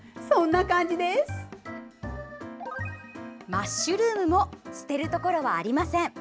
マッシュルームも捨てるところはありません。